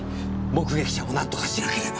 目撃者をなんとかしなければ！